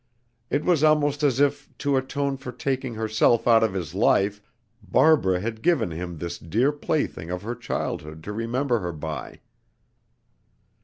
It was almost as if, to atone for taking herself out of his life, Barbara had given him this dear plaything of her childhood to remember her by.